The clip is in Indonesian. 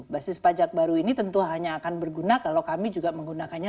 basis pajak baru ini tentu hanya akan berguna kalau kami juga menggunakannya